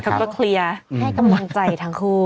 ก็เคลียร์ให้กำลังใจทั้งคู่